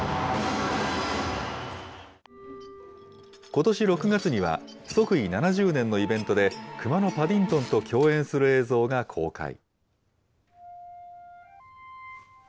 ことし６月には、即位７０年のイベントで、くまのパディントンと共演する映像が公開。